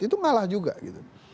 itu ngalah juga gitu